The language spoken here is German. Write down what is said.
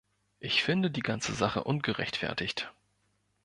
Ich finde die ganze Sache ungerechtfertigt.